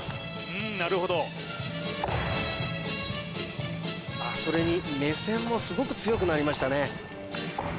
うんなるほどそれに目線もすごく強くなりましたね